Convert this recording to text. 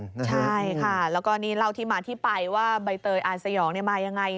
ใช่ค่ะแล้วก็นี่เล่าที่มาที่ไปว่าใบเตยอานสยองมายังไง